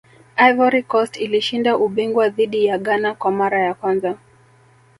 ivory coast ilishinda ubingwa dhidi ya ghana kwa mara ya kwanza